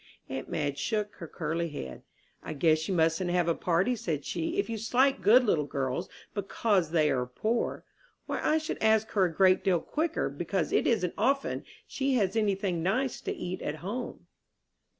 Aunt Madge shook her curly head. "I guess you mustn't have a party," said she, "if you slight good little girls because they are poor. Why, I should ask her a great deal quicker, because it isn't often she has any thing nice to eat at home."